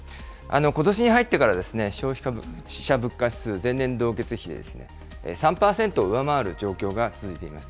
ことしに入ってから、消費者物価指数、前年同月比で３％を上回る状況が続いています。